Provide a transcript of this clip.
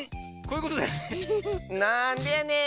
なんでやねん！